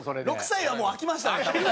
６歳はもう飽きましたね多分。